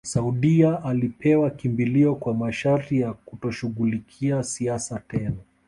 Saudia alipewa kimbilio kwa masharti ya kutoshughulikia siasa tena